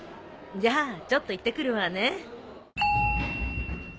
じゃあちょっと行ってくるわね。